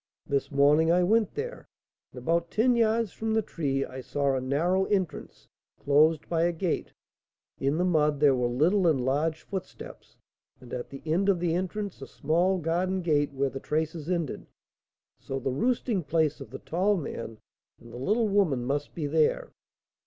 "This morning I went there, and about ten yards from the tree I saw a narrow entrance, closed by a gate. In the mud there were little and large footsteps, and at the end of the entrance a small garden gate, where the traces ended; so the roosting place of the tall man and the little woman must be there."